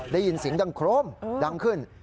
ได้ยินเสียงดังโครมดังขึ้น